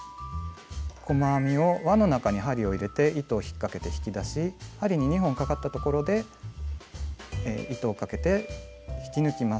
細編みを輪の中に針を入れて糸を引っかけて引き出し針に２本かかったところで糸をかけて引き抜きます。